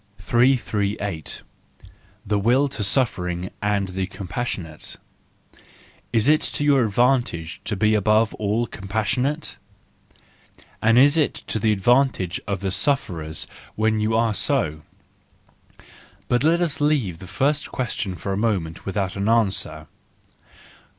338. The Will to Suffering and the Compassionate .—Is it to your advantage to be above all compassionate ? And is it to the advantage of the sufferers when you are so ? But let us leave the first question for a moment without an answer.